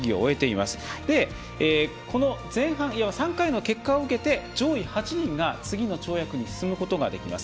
そして、前半３回の結果を受けて上位８人が次の跳躍に進むことができます